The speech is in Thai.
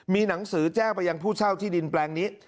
มีหนังสือแจ้งไปยังผู้เช่าที่ดินแปลงนี้